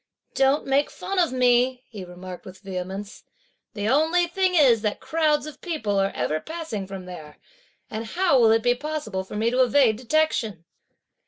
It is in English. "Don't make fun of me!" he remarked with vehemence. "The only thing is that crowds of people are ever passing from there, and how will it be possible for me to evade detection?"